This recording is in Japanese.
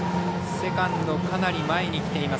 セカンド、かなり前にきています。